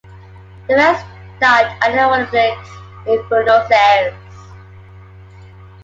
The events start at the Obelisk, in Buenos Aires.